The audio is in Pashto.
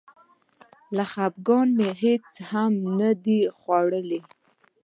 له خپګانه مې هېڅ هم نه دي خوړلي.